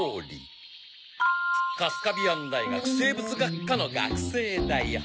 カスカビアン大学生物学科の学生だよ。